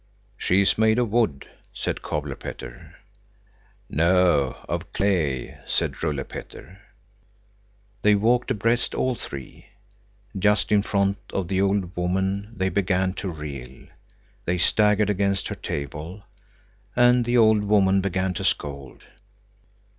"She is made of wood," said Cobbler Petter. "No, of clay," said Rulle Petter. They walked abreast, all three. Just in front of the old woman they began to reel. They staggered against her table. And the old woman began to scold.